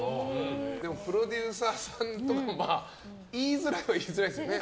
でもプロデューサーさんとかは言いづらいは言いづらいですよね。